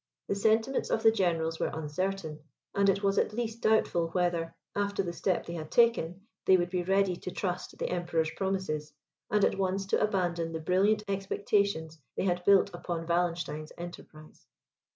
The sentiments of the generals were uncertain; and it was at least doubtful whether, after the step they had taken, they would be ready to trust the Emperor's promises, and at once to abandon the brilliant expectations they had built upon Wallenstein's enterprise.